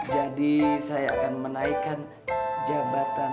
jadi saya akan menaikkan jabatan